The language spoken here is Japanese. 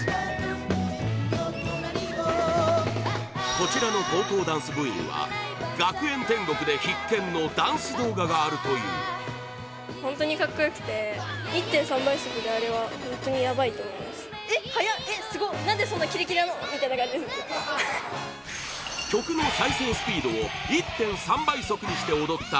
こちらの高校ダンス部員は「学園天国」で必見のダンス動画があるという曲の再生スピードを１．３倍速にして踊った